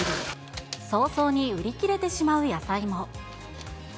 早々に売り切れてしまう野菜も。